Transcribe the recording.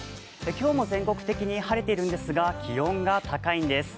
今日も全国的に晴れているんですが、気温が高いんです。